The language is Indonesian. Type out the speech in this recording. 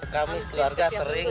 kamu keluarga sering